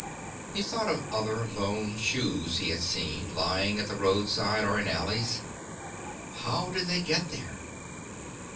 He thought of other lone shoes he had seen, lying at the roadside or in alleys. How did they get there...?